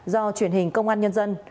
do truyền hình công an nhân dân